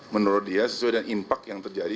menurut dia sesuai dengan impact yang terjadi